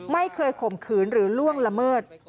ข่มขืนหรือล่วงละเมิด